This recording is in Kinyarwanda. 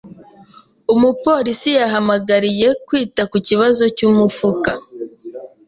Umupolisi yahamagariye kwita ku kibazo cy’imifuka.